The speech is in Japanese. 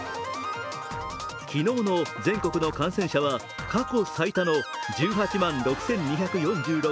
昨日の全国の感染者は過去最多の１８万６２４６人。